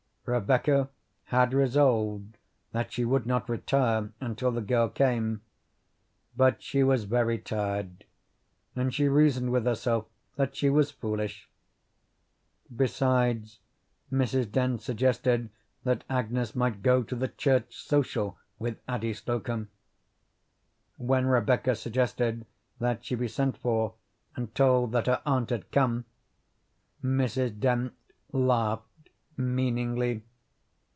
Rebecca had resolved that she would not retire until the girl came, but she was very tired, and she reasoned with herself that she was foolish. Besides, Mrs. Dent suggested that Agnes might go to the church social with Addie Slocum. When Rebecca suggested that she be sent for and told that her aunt had come, Mrs. Dent laughed meaningly.